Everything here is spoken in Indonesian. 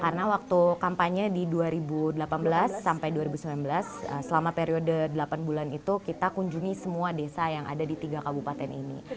karena waktu kampanye di dua ribu delapan belas sampai dua ribu sembilan belas selama periode delapan bulan itu kita kunjungi semua desa yang ada di tiga kabupaten ini